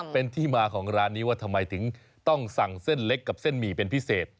เป็นที่มาของร้านนี้ว่าทำไมถึงต้องสั่งเส้นเล็กกับเส้นหมี่เป็นพิเศษ